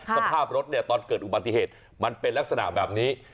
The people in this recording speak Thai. สภาพรถเนี่ยตอนเกิดอุบัติเหตุมันเป็นลักษณะแบบนี้